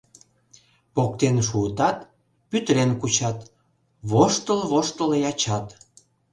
Поктен шуытат, пӱтырен кучат, воштыл-воштыл ячат.